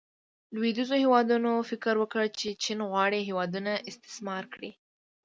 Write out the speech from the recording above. لویدیځو هیوادونو فکر وکړو چې چین غواړي هیوادونه استثمار کړي.